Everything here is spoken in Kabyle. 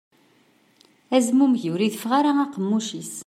Azmumeg ur itteffeɣ ara aqemmuc-is.